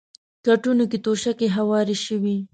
کټونو کې توشکې هوارې شوې.